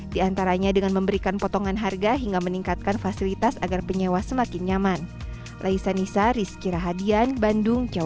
di antaranya dengan memberikan potongan harga hingga meningkatkan fasilitas agar penyewa semakin nyaman